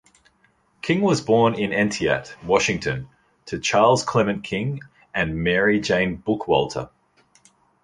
King was born in Entiat, Washington to Charles Clement King and Mary Jane Bookwalter.